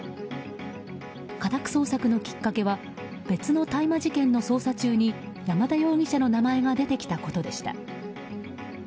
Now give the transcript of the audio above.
家宅捜索のきっかけは別の大麻事件の捜査中に山田容疑者の名前が出てきたことでした。